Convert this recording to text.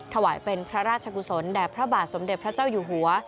ถวายเป็นพระราชกุศลแด่พระบาทสมเด็จพระเจ้าอยู่หัว